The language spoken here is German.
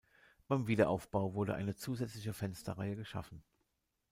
Beim Wiederaufbau wurde eine zusätzliche Fensterreihe geschaffen.